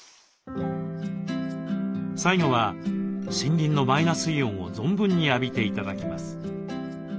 最後は森林のマイナスイオンを存分に浴びて頂きます。